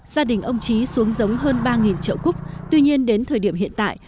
gia đình ông trí xuống giống hơn ba trậu cúc tuy nhiên đến thời điểm hiện tại